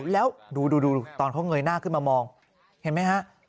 แล้วดูตอนเขาเงยหน้าขึ้นมามองเห็นไหมฮะ